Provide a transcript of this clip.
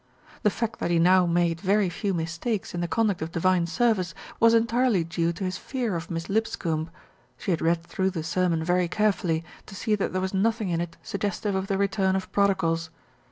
The fact that he now made very few mistakes in the conduct of divine service was entirely due to his fear of Miss Lipscombe. She had read through the sermon very carefully, to see that there was nothing in it suggestive of the return of prodigals.